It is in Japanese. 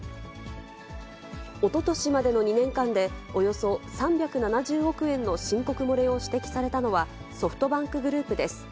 おととしまでの２年間で、およそ３７０億円の申告漏れを指摘されたのは、ソフトバンクグループです。